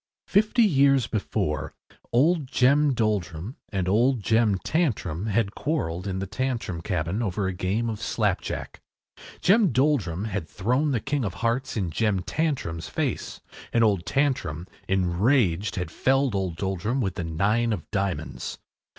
Fifty years before old Jem Doldrum and old Jem Tantrum had quarrelled in the Tantrum cabin over a game of slapjack. Jem Doldrum had thrown the king of hearts in Jem Tantrum’s face, and old Tantrum, enraged, had felled the old Doldrum with the nine of diamonds.